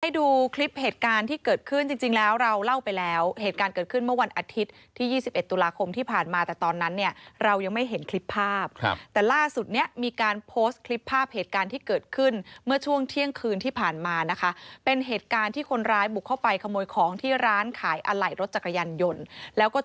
ดูคลิปเหตุการณ์ที่เกิดขึ้นจริงแล้วเราเล่าไปแล้วเหตุการณ์เกิดขึ้นเมื่อวันอาทิตย์ที่๒๑ตุลาคมที่ผ่านมาแต่ตอนนั้นเนี่ยเรายังไม่เห็นคลิปภาพครับแต่ล่าสุดเนี่ยมีการโพสต์คลิปภาพเหตุการณ์ที่เกิดขึ้นเมื่อช่วงเที่ยงคืนที่ผ่านมานะคะเป็นเหตุการณ์ที่คนร้ายบุกเข้าไปขโมยของที่ร้านขายอะไหล่รถจักรยานยนต์แล้วก็